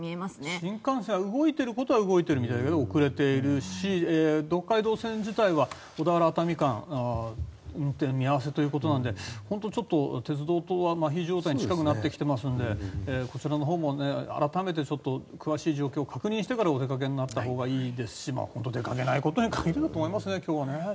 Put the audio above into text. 新幹線は動いていることは動いているみたいだけど遅れているし東海道線自体は小田原熱海間で運転見合わせということなので鉄道等は、まひ状態に近くなっていますのでこちらのほうも改めて詳しい状況を確認してから、お出かけになったほうがいいですし今日は本当に出かけないことに限ると思います。